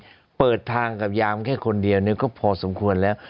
เปิดทางกับยามแค่คนเดียวก็พอสมควรแล้ว